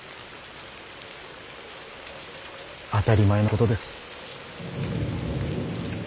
当たり前のことです。